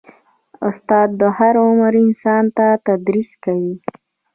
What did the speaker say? استاد د هر عمر انسان ته تدریس کوي.